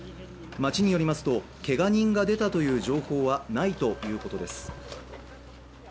町によりますと、けが人が出たという情報はないということです。